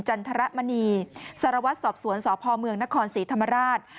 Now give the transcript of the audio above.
จันทรมณีสารวัตรสอบสวนสพเมืองนครศรีธรรมราช